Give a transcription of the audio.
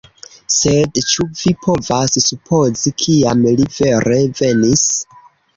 Sed ĉu vi povas supozi kiam li vere venis?